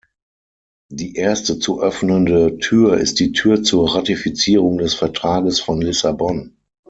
Die erste zu öffnende Tür ist die Tür zur Ratifizierung des Vertrages von Lissabon.